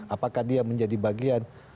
apakah dia menjadi bagian